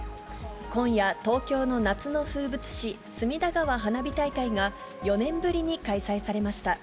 今夜、東京の夏の風物詩、隅田川花火大会が、４年ぶりに開催されました。